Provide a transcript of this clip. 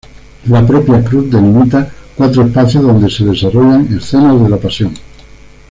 La propia cruz delimita cuatro espacios donde se desarrollan escenas de la Pasión.